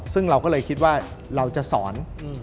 ซึ่งเราก็เลยคิดว่าเราจะสอน